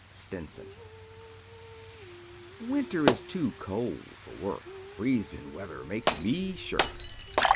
STINSON Winter is too cold fer work; Freezin' weather makes me shirk.